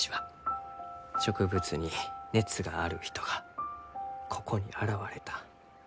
植物に熱がある人がここに現れた。